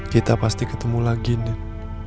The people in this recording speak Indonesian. kita pasti ketemu lagi nih